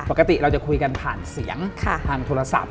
ปกติเราจะคุยกันผ่านเสียงทางโทรศัพท์